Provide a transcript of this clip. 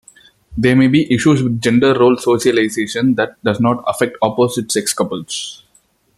There may be issues with gender-role socialization that does not affect opposite-sex couples.